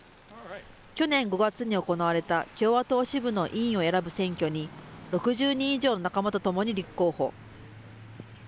去年５月に行われた共和党支部の委員を選ぶ選挙に、６０人以上の仲間と共に立候補。